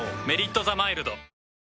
「メリットザマイルド」